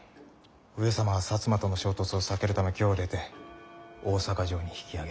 上様は摩との衝突を避けるため京を出て大坂城に引きあげた。